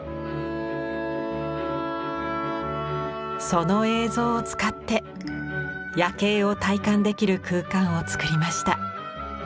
その映像を使って「夜警」を体感できる空間を作りました。